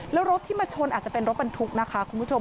แล้วรถที่มาชนอาจจะเป็นรถบรรทุกนะคะคุณผู้ชม